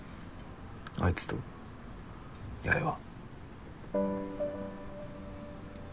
あいつと八重は。